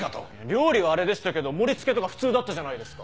料理はあれでしたけど盛り付けとか普通だったじゃないですか。